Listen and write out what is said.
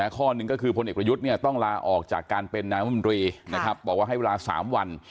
ข้อหนึ่งก็คือพลเอกประยุทธ์ต้องลาออกจากการเป็นนายมนตรีนะครับบอกว่าให้เวลา๓วัน